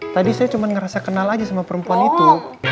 tadi saya cuma ngerasa kenal aja sama perempuan itu